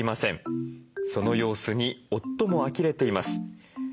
その様子に夫もあきれています。